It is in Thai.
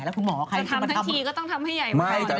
แต่ทำทั้งทีก็ต้องทำให้ใหญ่มาก